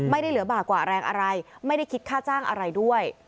เหลือบากกว่าแรงอะไรไม่ได้คิดค่าจ้างอะไรด้วย